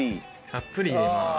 たっぷり入れます。